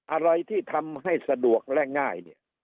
อะไรที่ทำให้สะดวกและง่ายเนี่ย